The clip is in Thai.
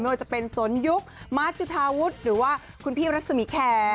ว่าจะเป็นสนยุคมาร์จุธาวุฒิหรือว่าคุณพี่รัศมีแคร์